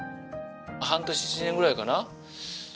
半年１年ぐらいかな。